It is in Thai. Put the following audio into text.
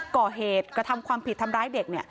ก่อเหตุกระทำความผิดทำร้ายเด็ก